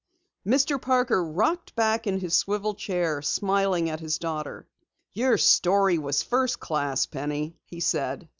_" Mr. Parker rocked back in his swivel chair, smiling at his daughter. "Your story was first class, Penny," he said.